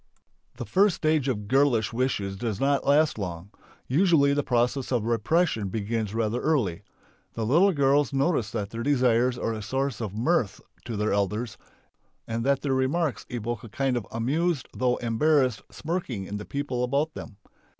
The first stage of girlish wishes does not last long. Usually the process of repression begins rather early. The little girls notice that their desires are a source of mirth to their elders, and that their remarks evoke a kind of amused though embarrassed smirking in the people about them.